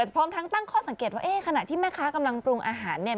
พร้อมทั้งตั้งข้อสังเกตว่าขณะที่แม่ค้ากำลังปรุงอาหารเนี่ย